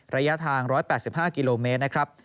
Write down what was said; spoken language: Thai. ระยะทาง๑๘๕กิโลเมตรนะครับ